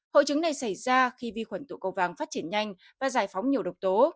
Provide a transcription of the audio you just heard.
hội chứng này xảy ra khi vi khuẩn tụ cầu vàng phát triển nhanh và giải phóng nhiều độc tố